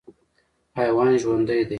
حیوان ژوندی دی.